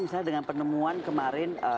misalnya dengan penemuan kemarin